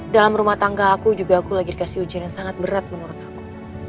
dalam rumah tangga aku juga aku lagi kasih ujian yang sangat berat menurut aku